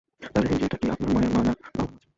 তাহলে হেনরিয়েটা কি আপনার মায়ের মা না বাবার মা ছিলেন?